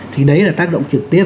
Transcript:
thì đấy là tác động trực tiếp